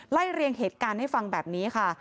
เรียงเหตุการณ์ให้ฟังแบบนี้ค่ะ